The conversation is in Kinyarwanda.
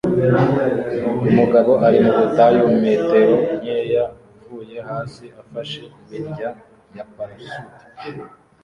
Umugabo ari mubutayu metero nkeya uvuye hasi afashe imirya ya parasute